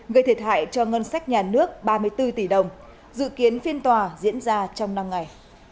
gây thiệt hại cho ngân sách nhà nước ba mươi bốn tỷ đồng dự kiến phiên tòa diễn ra trong năm ngày